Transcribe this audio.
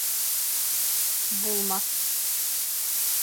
Булмаҫ!..